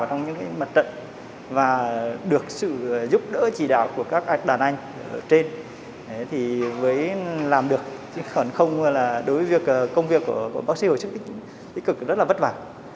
trong những cái mặt trận và được sự giúp đỡ chỉ đạo của các đàn anh ở trên thì với làm được chứ không là đối với công việc của bác sĩ hồi sức tích cực rất là vất vả